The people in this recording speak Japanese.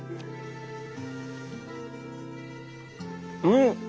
うん！